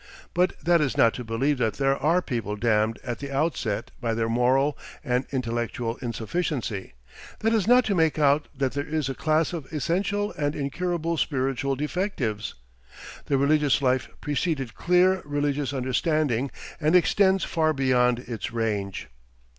But that is not to believe that there are people damned at the outset by their moral and intellectual insufficiency; that is not to make out that there is a class of essential and incurable spiritual defectives. The religious life preceded clear religious understanding and extends far beyond its range.